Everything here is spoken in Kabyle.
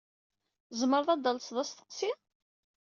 Tzemreḍ ad d-talseḍ asteqsi?